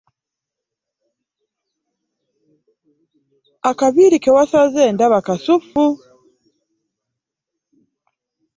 Akaviiri ke wasaze ndaba kasuffu!